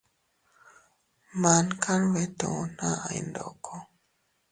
Man kanbeeto aʼay ndoko.